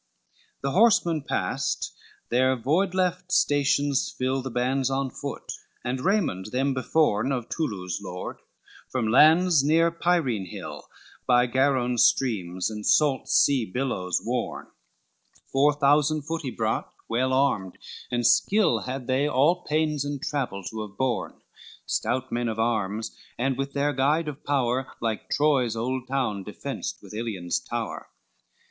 LXI The horsemen past, their void left stations fill The bands on foot, and Reymond them beforn, Of Tholouse lord, from lands near Piraene Hill By Garound streams and salt sea billows worn, Four thousand foot he brought, well armed, and skill Had they all pains and travels to have borne, Stout men of arms and with their guide of power Like Troy's old town defenced with Ilion's tower.